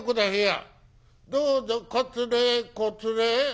「どうぞこつれへこつれへ」。